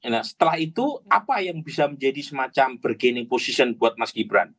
nah setelah itu apa yang bisa menjadi semacam bergaining position buat mas gibran